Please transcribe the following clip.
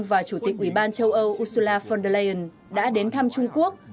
và chủ tịch ủy ban châu âu ursula von der leyen đã đến thăm trung quốc